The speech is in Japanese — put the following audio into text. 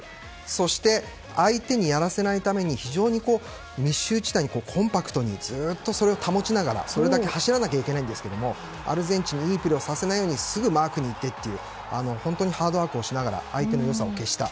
そして相手にやらせないために非常に密集地帯に、コンパクトにずっとそれを保ちながらそれだけ走らなきゃいけないんですけどアルゼンチンにいいプレーをさせないようにすぐにマークに行って本当にハードワークして相手の良さを消した。